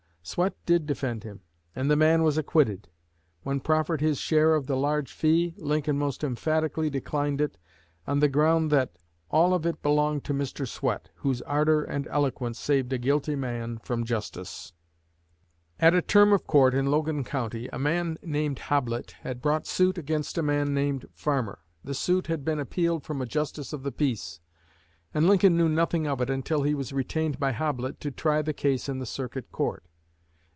Swett did defend him, and the man was acquitted. When proffered his share of the large fee, Lincoln most emphatically declined it, on the ground that 'all of it belonged to Mr. Swett, whose ardor and eloquence saved a guilty man from justice.'" At a term of court in Logan County, a man named Hoblit had brought suit against a man named Farmer. The suit had been appealed from a justice of the peace, and Lincoln knew nothing of it until he was retained by Hoblit to try the case in the Circuit Court.